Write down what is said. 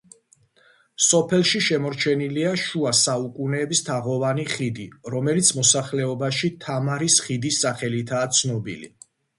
სოფელში შემორჩენილია შუა საუკუნეების თაღოვანი ხიდი, რომელიც მოსახლეობაში „თამარის ხიდის“ სახელითაა ცნობილი.